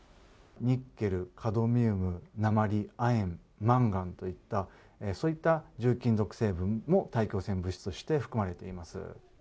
ニッケル、カドミウム、鉛、亜鉛、マンガンといった、そういった重金属成分も、大気汚染物質として含まれています。